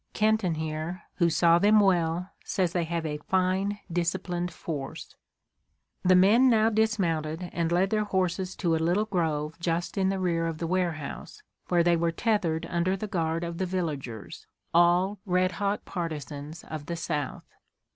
Kenton here, who saw them well, says they have a fine, disciplined force." The men now dismounted and led their horses to a little grove just in the rear of the warehouse, where they were tethered under the guard of the villagers, all red hot partisans of the South.